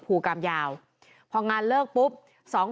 ตายหนึ่ง